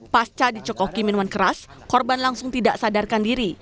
pas ca di cekoki minuman keras korban langsung tidak sadarkan diri